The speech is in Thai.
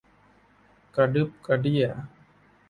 กระดักกระเดี้ย